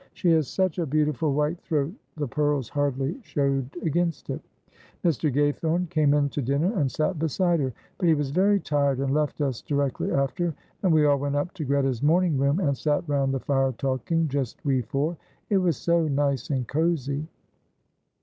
She has such a beautiful white throat the pearls hardly showed against it Mr. Gaythorne came in to dinner and sat beside her, but he was very tired and left us directly after, and we all went up to Greta's morning room and sat round the fire talking, just we four. It was so nice and cosy."